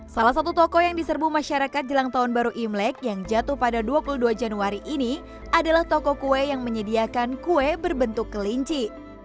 salah satu toko yang diserbu masyarakat jelang tahun baru imlek yang jatuh pada dua puluh dua januari ini adalah toko kue yang menyediakan kue berbentuk kelinci